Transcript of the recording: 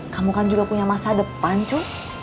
kamu kan juga punya masa depan cu